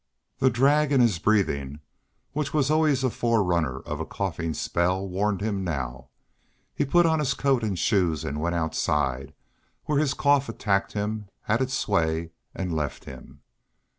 The drag in his breathing which was always a forerunner of a coughing spell warned him now; he put on coat and shoes and went outside, where his cough attacked him, had its sway, and left him.